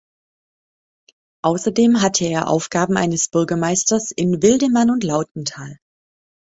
Außerdem hatte er Aufgaben eines Bürgermeisters in Wildemann und Lautenthal.